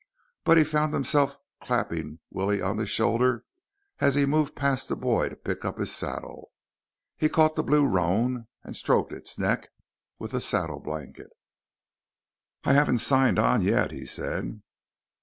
_ But he found himself clapping Willie on the shoulder as he moved past the boy to pick up his saddle. He caught the blue roan and stroked its neck with the saddle blanket. "I haven't signed on yet," he said.